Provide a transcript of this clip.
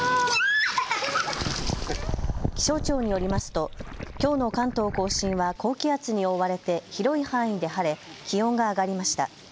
気象庁によりますときょうの関東甲信は高気圧に覆われて広い範囲で晴れ気温が上がりました。